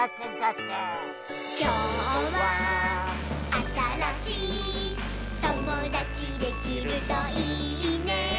「きょうはあたらしいともだちできるといいね」